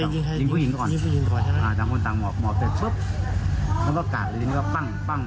หยิงผู้หญิงก่อนอยู่เมืองหญิงก่อนถนน